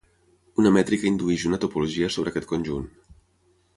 Una mètrica indueix una topologia sobre aquest conjunt.